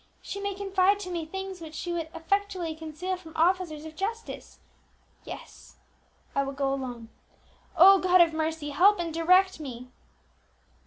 She may confide to me things which she would effectually conceal from officers of justice. Yes, I will go alone. Oh, God of mercy, help and direct me!"